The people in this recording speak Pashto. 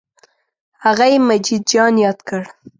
هغه یې مجید جان یاد کړ.